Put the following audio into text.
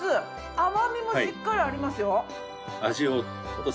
甘みもしっかりありますよ。